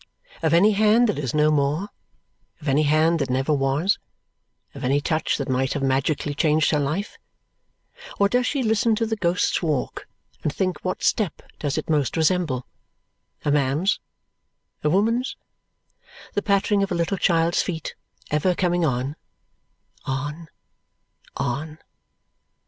Of any hand that is no more, of any hand that never was, of any touch that might have magically changed her life? Or does she listen to the Ghost's Walk and think what step does it most resemble? A man's? A woman's? The pattering of a little child's feet, ever coming on on on?